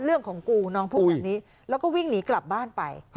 กูน้องพูดแบบนี้แล้วก็วิ่งหนีกลับบ้านไป